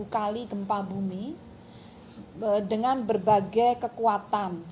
enam kali gempa bumi dengan berbagai kekuatan